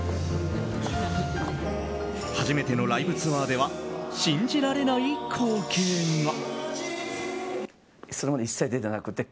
初めてのライブツアーでは信じられない光景が。